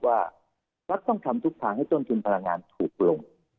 ว่ารัฐต้องทำทุกทางให้ต้นทุนพลังงานถูกลง